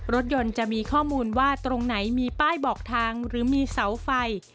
รถยนต์จะมีข้อมูลว่าตรงไหนมีป้ายบอกทางหรือมีเสาไฟ